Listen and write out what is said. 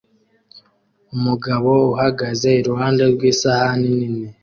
Umugabo uhagaze iruhande rw'isahani nini